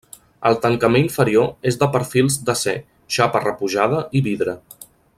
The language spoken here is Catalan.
El tancament inferior és de perfils d'acer, xapa repujada i vidre.